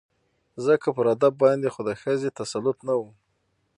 ځکه پر ادب باندې خو د ښځې تسلط نه و